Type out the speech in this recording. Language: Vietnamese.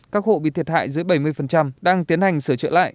các hộ bị thiệt hại dưới bảy mươi đang tiến hành sửa trợ lại